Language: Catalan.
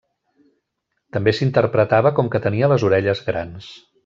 També s'interpretava com que tenia les orelles grans.